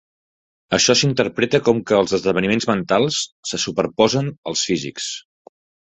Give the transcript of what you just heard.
Això s'interpreta com que els esdeveniments mentals se superposen als físics.